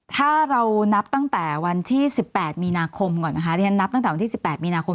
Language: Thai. ถ้าเรานับตั้งแต่วันที่สิบแปดมีนาคมก่อนนะคะเรานับตั้งแต่วันที่สิบแปดมีนาคม